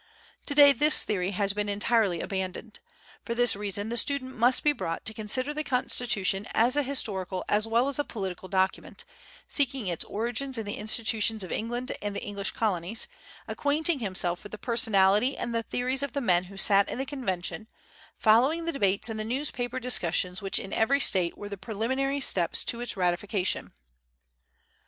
To day this theory has been entirely abandoned. For this reason, the student must be brought to consider the Constitution as an historical as well as a political document, seeking its origins in the institutions of England and the English colonies, acquainting himself with the personality and the theories of the men who sat in the Convention, following the debates and the newspaper discussions which in every State were the preliminary steps to its ratification.